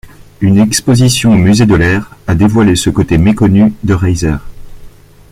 Une exposition au musée de l'air a dévoilé ce côté méconnu de Reiser.